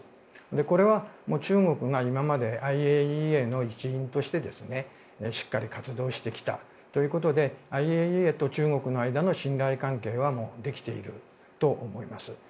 これは、中国が今までＩＡＥＡの一員としてしっかり活動してきたということでＩＡＥＡと中国の間の信頼関係はできていると思います。